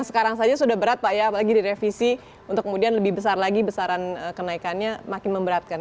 sekarang saja sudah berat pak ya apalagi direvisi untuk kemudian lebih besar lagi besaran kenaikannya makin memberatkan